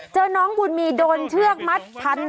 เจอน้องบุญมีโดนเชือกมัดพัน